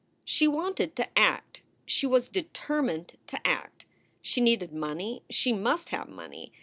She wanted to act. She was determined to act. She needed money. She must have money.